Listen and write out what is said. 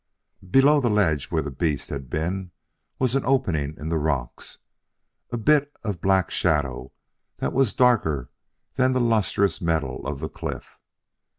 Below the ledge where the beast had been was an opening in the rocks a bit of black shadow that was darker than the lustrous metal of the cliff.